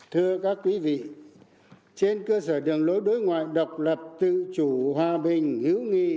thưa các quý vị trên cơ sở đường lối đối ngoại độc lập tự chủ hòa bình hữu nghị